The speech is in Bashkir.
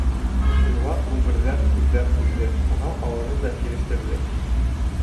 Уға күмерҙән күҙҙәр ҡуйҙы, танау-ауыҙын да килештерҙе.